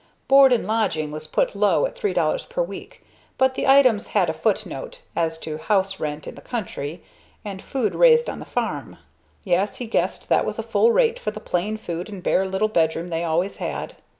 Board and lodging was put low, at $3.00 per week, but the items had a footnote as to house rent in the country, and food raised on the farm. Yes, he guessed that was a full rate for the plain food and bare little bedroom they always had.